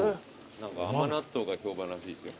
何か甘納豆が評判らしいですよ。